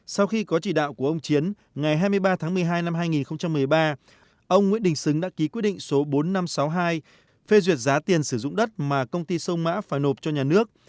sau khi có chỉ đạo của ông chiến ngày hai mươi ba tháng một mươi hai năm hai nghìn một mươi ba ông nguyễn đình xứng đã ký quyết định số bốn nghìn năm trăm sáu mươi hai phê duyệt giá tiền sử dụng đất mà công ty sông mã phải nộp cho nhà nước